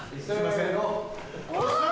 せの。